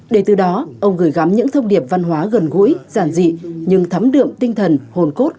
để từ đó ông gửi gắm những thông điệp văn hóa gần gũi giản dị nhưng thấm đượm tinh thần hồn cốt